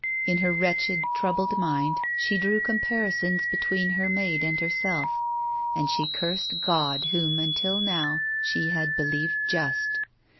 In her wretched, troubled mind she drew comparisons between her maid and herself, and she cursed God Whom, until now, she had believed just.